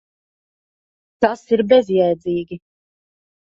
Tas ir bezjēdzīgi.